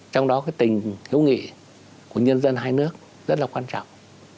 trong đó tình hữu nghị của nhân dân hai nước rất là quan trọng